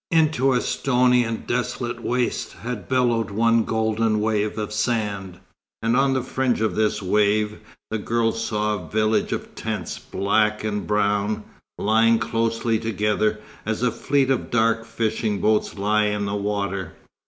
Into a stony and desolate waste had billowed one golden wave of sand, and on the fringe of this wave, the girl saw a village of tents, black and brown, lying closely together, as a fleet of dark fishing boats lie in the water.